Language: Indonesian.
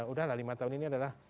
udah lah lima tahun ini adalah